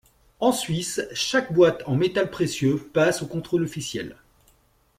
En Suisse, chaque boîte en métal précieux passe au contrôle officiel.